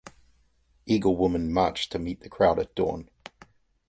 Eagle Woman marched to meet the crowd at dawn.